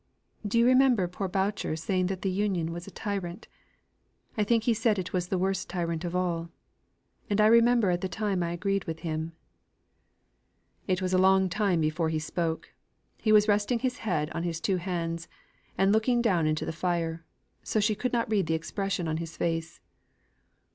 "Do you remember poor Boucher saying that the Union was a tyrant? I think he said it was the worse tyrant of all. And I remember, at the time I agreed with him." It was a long while before he spoke. He was resting his head on his two hands, and looking down into the fire, so she could not read the expression on his face.